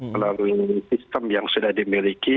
melalui sistem yang sudah dimiliki